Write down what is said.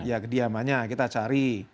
ya kediamannya kita cari